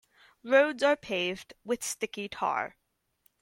Roads are paved with sticky tar.